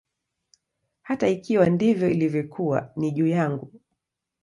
Hata ikiwa ndivyo ilivyokuwa, ni juu yangu.